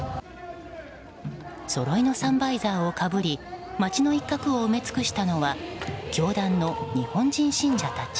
そろいのサンバイザーをかぶり街の一角を埋め尽くしたのは教団の日本人信者たち。